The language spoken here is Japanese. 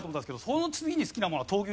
その次に好きなものは闘牛